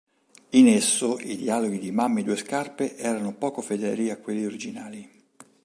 In esso i dialoghi di Mammy Due Scarpe erano poco fedeli a quelli originali.